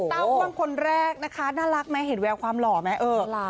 อ้วนคนแรกนะคะน่ารักไหมเห็นแววความหล่อไหมเออ